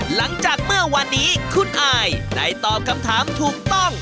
หลังจากเมื่อวันนี้คุณอายได้ตอบคำถามถูกต้อง